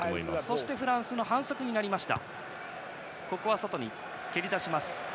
そして、フランスの反則になりました。